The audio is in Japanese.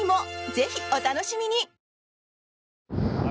ぜひお楽しみに！